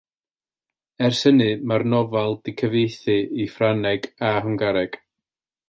Ers hynny mae'r nofel wedi'i chyfieithu i Ffrangeg a Hwngareg.